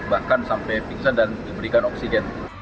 bahkan sampai pingsan dan diberikan oksigen